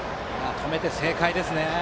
止めて正解ですね。